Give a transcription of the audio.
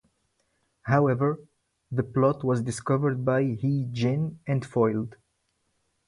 However, the plot was discovered by He Jin and foiled.